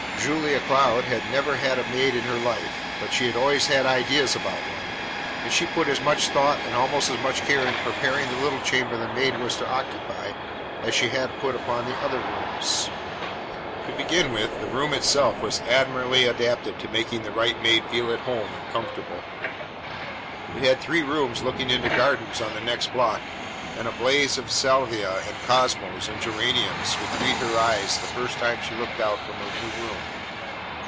Julia Cloud had never had a maid in her life, but she had always had ideas about one, and she put as much thought and almost as much care into preparing the little chamber the maid was to occupy as she had put upon the other rooms. To begin with, the room itself was admirably adapted to making the right maid feel at home and comfortable. It had three windows looking into gardens on the next block, and a blaze of salvia and cosmos and geraniums would greet her eyes the first time she looked out from her new room.